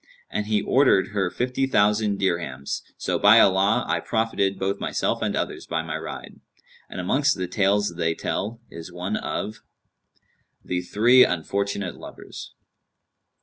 And he ordered her fifty thousand dirhams, so by Allah, I profited both myself and others by my ride." And amongst the tales they tell is one of THE THREE UNFORTUNATE LOVERS.